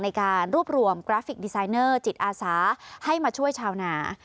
ในการรวบรวมกราฟิกดีไซเนอร์จิตอาสาให้มาช่วยชาวนา